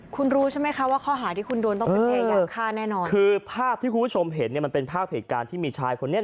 คุณรู้ใช่ไหมคะว่าข้อหาที่คุณโดนต้องเป็นพยายามฆ่าแน่นอนคือภาพที่คุณผู้ชมเห็นเนี่ยมันเป็นภาพเหตุการณ์ที่มีชายคนนี้